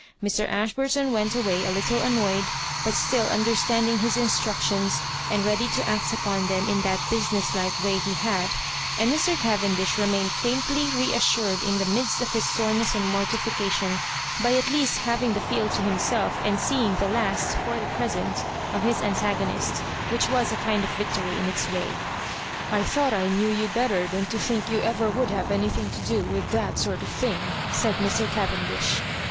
Mr. Ashburton went away a little annoyed, but still understanding his instructions, and ready to act upon them in that businesslike way he had, and Mr. Cavendish remained faintly reassured in the midst of his soreness and mortification, by at least having the field to himself and seeing the last (for the present) of his antagonist — which was a kind of victory in its way. " I thought I knew you better than to think you ever would have anything to do with (hat sort of thing," said Mr. Cavendish.